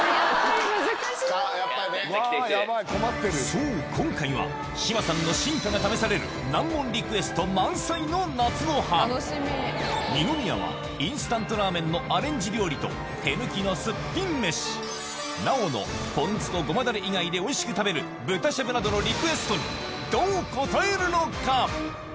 そう今回は志麻さんの真価が試される二宮はインスタントラーメンのアレンジ料理と手抜きのスッピン飯奈緒のポン酢とゴマだれ以外でおいしく食べる豚しゃぶなどのリクエストにどう応えるのか？